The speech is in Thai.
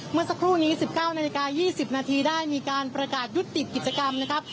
เมื่อสักครู่นี้๑๙นาฬิกา๒๐นาทีได้มีการประกาศยุติกิจกรรมนะครับ